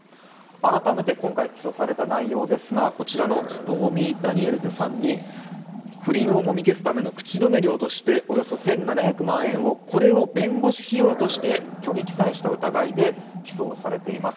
改めて今回起訴された内容ですがこちらのストーミー・ダニエルズさんに不倫をもみ消すための口止め料としておよそ１７００万円をこれを弁護士費用として虚偽記載した疑いで起訴されています。